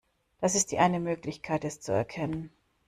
Das ist die eine Möglichkeit es zu erkennen.